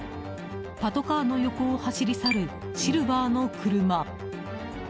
パトカーの横を走り去るシルバーの車。